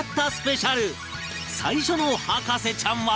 最初の博士ちゃんは